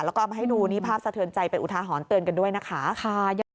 แล้วก็เอามาให้ดูนี่ภาพสะเทือนใจเป็นอุทาหรณ์เตือนกันด้วยนะคะ